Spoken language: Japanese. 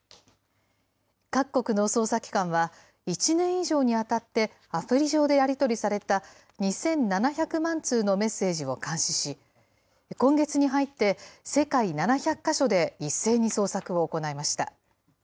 各国の捜査機関は、１年以上にわたってアプリ上でやり取りされた、２７００万通のメッセージを監視し、今月に入って、世界７００か所で一斉に捜索を行いました。